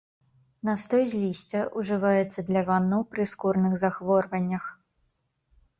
Настой з лісця ўжываецца для ваннаў пры скурных захворваннях.